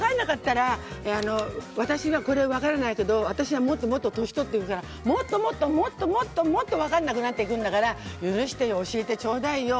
私は分からないけど私はもっともっと年取ってるからもっともっと分からなくなっていくんだから許してよ、教えてちょうだいよ。